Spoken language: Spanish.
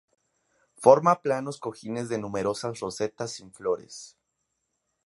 Forma planos cojines de numerosas rosetas sin flores.